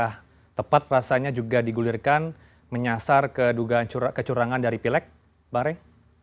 apakah tepat rasanya juga digulirkan menyasar kedugaan kecurangan dari pilek bang rey